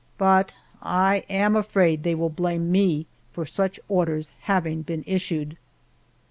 But I am afraid they will blame me for such orders having been issued.